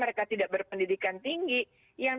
mereka tidak berpendidikan tinggi yang